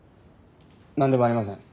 なんでもありません。